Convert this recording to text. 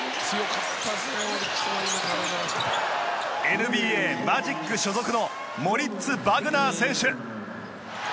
ＮＢＡ、マジック所属のモリッツ・バグナー選手。